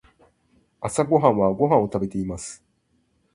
朝ごはんはご飯を食べています。